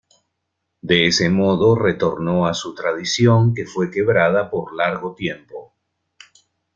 De ese modo retornó a su tradición que fue quebrada por largo tiempo.